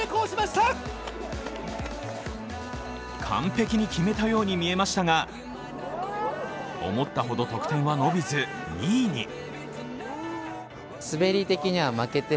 完璧に決めたように見えましたが、思ったほど得点は伸びず２位に。